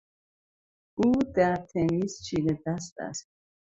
او در تنیس چیره دست است.